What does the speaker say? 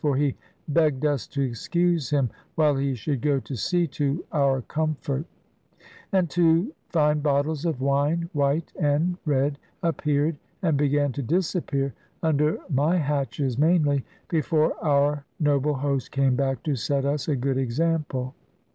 For he begged us to excuse him, while he should go to see to our comfort; and two fine bottles of wine (white and red) appeared, and began to disappear, under my hatches mainly, before our noble host came back to set us a good example.